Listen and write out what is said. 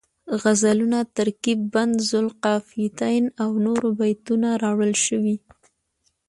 غزلونه، ترکیب بند ذوالقافیتین او نور بیتونه راوړل شوي